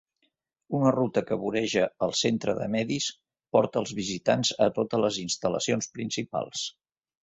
Una ruta que voreja el centre de medis porta els visitants a totes les instal·lacions principals.